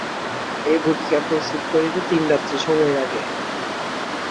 এই বটিকা প্রস্তুত করিতে তিন রাত্রি সময় রাগে।